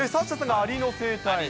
アリの生態。